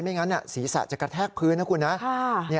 งั้นศีรษะจะกระแทกพื้นนะคุณนะ